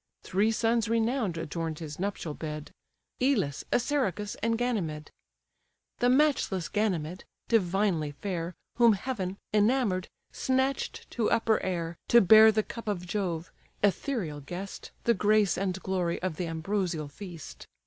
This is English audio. Three sons renown'd adorn'd his nuptial bed, Ilus, Assaracus, and Ganymed: The matchless Ganymed, divinely fair, Whom heaven, enamour'd, snatch'd to upper air, To bear the cup of Jove (ethereal guest, The grace and glory of the ambrosial feast).